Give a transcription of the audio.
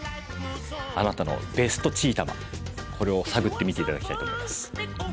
あなたのベストチーたまこれを探ってみて頂きたいと思います。